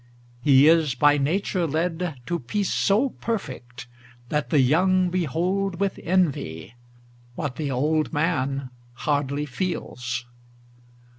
He is by nature led To peace so perfect, that the young behold With envy, what the old man hardly feels.